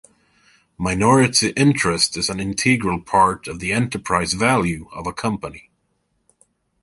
Minority interest is an integral part of the enterprise value of a company.